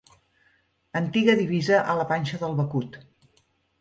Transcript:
Antiga divisa a la panxa del becut.